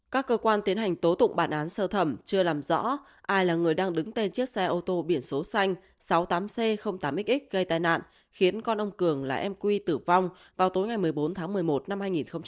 các cơ quan tiến hành tố tụng bản án sơ thẩm chưa làm rõ ai là người đang đứng tên chiếc xe ô tô biển số xanh sáu mươi tám c tám x gây tai nạn khiến con ông cường là em quy tử vong vào tối ngày một mươi bốn tháng một mươi một năm hai nghìn một mươi tám